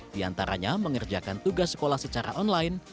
di antaranya mengerjakan tugas sekolah secara online